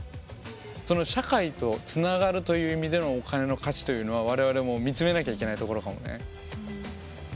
その社会とつながるという意味でのお金の価値というのは我々も見つめなきゃいけないところかもね。